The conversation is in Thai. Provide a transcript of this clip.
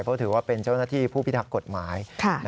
เพราะถือว่าเป็นเจ้าหน้าที่ผู้พิทักษ์กฎหมาย